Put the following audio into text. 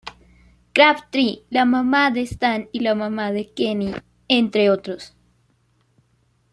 Crabtree, la mamá de Stan y la mamá de Kenny, entre otros.